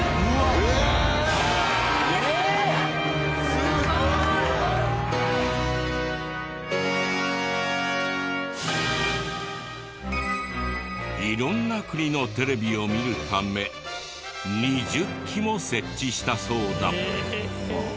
すごい！色んな国のテレビを見るため２０基も設置したそうだ。